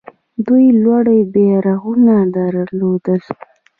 دوی لوړ بیرغونه درلودل